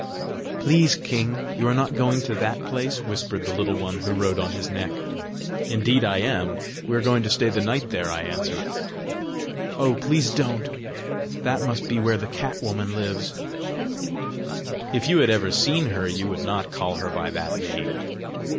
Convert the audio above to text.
"Please, king, you are not going to that place?" whispered the Little One who rode on his neck. "Indeed I am! We are going to stay the night there," I answered. "Oh, please, don't! That must be where the cat woman lives!" "If you had ever seen her, you would not call her by that name!"